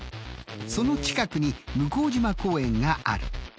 その近くに向島公園がある。